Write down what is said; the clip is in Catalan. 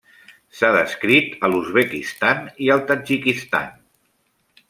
S'ha descrit a l'Uzbekistan i al Tadjikistan.